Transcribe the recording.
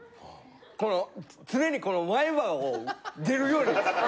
この常にこの前歯を出るように。